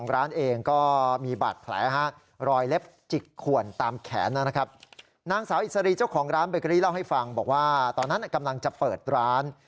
ร้านเบเกอรี่เล่าให้ฟังบอกว่าตอนนั้นกำลังจะเปิดร้าน